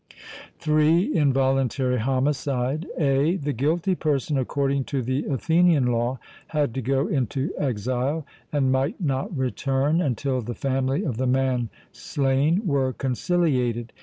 (3) Involuntary homicide. (a) The guilty person, according to the Athenian law, had to go into exile, and might not return, until the family of the man slain were conciliated.